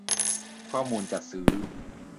ข้อมูลจัดซื้อ